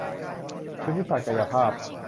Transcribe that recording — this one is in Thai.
ภูมิศาสตร์กายภาพ